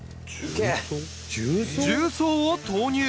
重曹を投入！